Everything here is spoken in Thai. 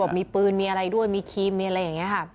มีปืนมีอะไรด้วยมีครีมมีอะไรอย่างนี้ค่ะ